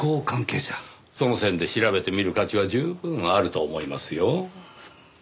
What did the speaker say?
その線で調べてみる価値は十分あると思いますよ。